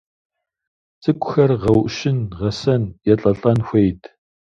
Цӏыкӏухэр гъэӀущын, гъэсэн, елӀэлӀэн хуейт.